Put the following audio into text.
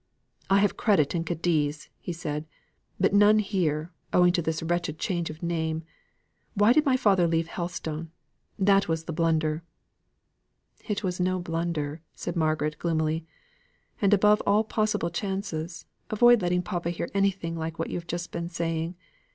"I have credit in Cadiz," said he, "but none here, owing to this wretched change of name. Why did my father leave Helstone? That was the blunder." "It was no blunder," said Margaret gloomily. "And above all possible chances, avoid letting papa hear anything like what you have just been saying.